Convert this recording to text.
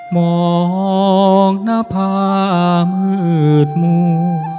มองหน้าภาพมื่ดมุก